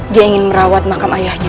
dia ingin merawat makam ayahnya